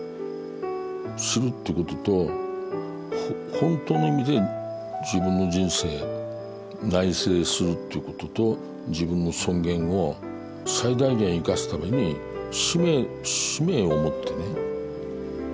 知るということと本当の意味で自分の人生内省するということと自分の尊厳を最大限生かすために使命を持ってね。